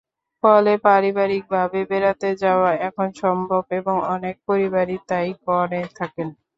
ফলে পারিবারিকভাবে বেড়াতে যাওয়া এখন সম্ভব এবং অনেক পরিবারই তা-ই করে থাকে।